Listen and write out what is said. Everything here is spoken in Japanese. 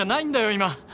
今！